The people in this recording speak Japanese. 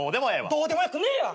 どうでもよくねえわ！